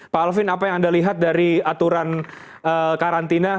pak alvin apa yang anda lihat dari aturan karantina